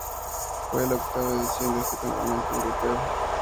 Fue la octava edición de este campeonato europeo.